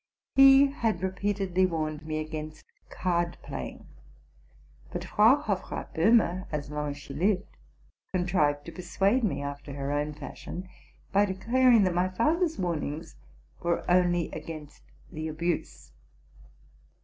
He had repeatedly warned me against card playing ; but Frau Hofrath Bohme, as long as she lived, contrived to persuade me, after her own fashion, by declaring that my father's warnings were only against the abuse.